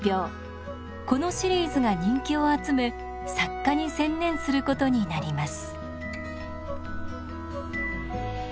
このシリーズが人気を集め作家に専念することになります。